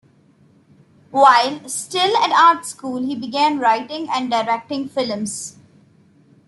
While still at art school he began writing and directing films.